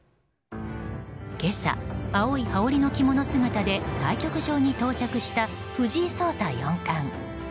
今朝、青い羽織の着物姿で対局場に到着した藤井聡太四冠。